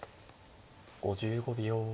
５５秒。